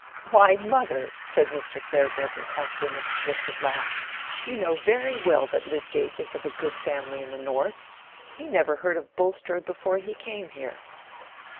"Why, mother," said Mr. Farebrother, after an explosive laugh, "you know very well that Lydgate is of a good family in the North. He never heard of Bulstrode before he came here."